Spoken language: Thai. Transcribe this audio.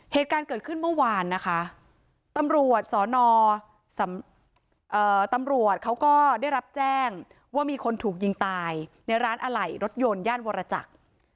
เหตุการณ์เกิดขึ้นเมื่อวานนะคะตำรวจสนตำรวจเขาก็ได้รับแจ้งว่ามีคนถูกยิงตายในร้านอะไหล่รถยนต์ย่านวรจักร